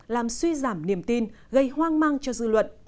làm suy giảm niềm tin gây hoang mang cho dư luận